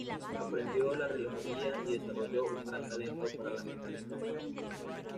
Aprendió la relojería y desarrolló un gran talento para la mecánica de trabajo.